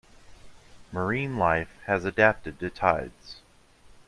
Marine life has adapted to tides.